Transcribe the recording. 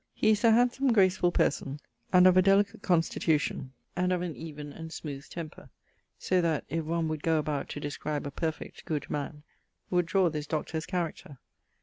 He is a handsome, gracefull person, and of a delicate constitution, and of an even and smooth temper; so that, if one would goe about to describe a perfect good man, would drawe this Doctor's character.